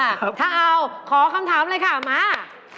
ถ้าเอาขอคำถามเลยค่ะมา